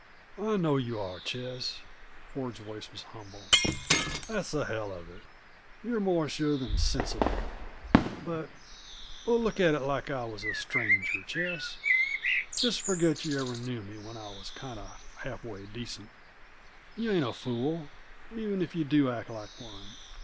"I know you are, Ches." Ford's voice was humble. "That's the hell of it. You're more sure than sensible but But look at it like I was a stranger, Ches. Just forget you ever knew me when I was kinda half way decent. You ain't a fool, even if you do act like one.